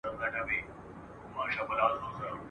تاریخي آثارو ددې نقش تائید کړی دی.